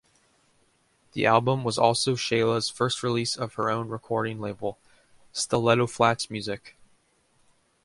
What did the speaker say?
The album was also Sheila's first release of her own recording label Stilettoflats Music.